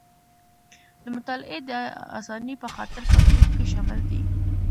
د مطالعې د اسانۍ په خاطر په ګروپ کې شامل دي.